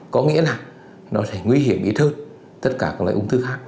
có nghĩa là nó sẽ nguy hiểm ít hơn tất cả các loại ung thư khác